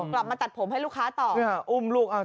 กลับมาตัดผมให้ลูกค้าต่อ